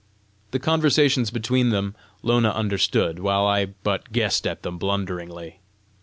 The conversations between them Lona understood while I but guessed at them blunderingly.